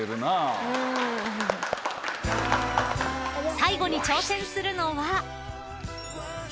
［最後に挑戦するのは］